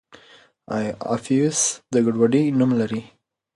اپوفیس د ګډوډۍ نوم لري.